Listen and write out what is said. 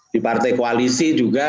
di partai koalisi juga